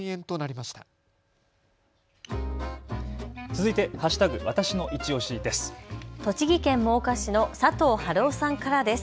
わたしのいちオシです。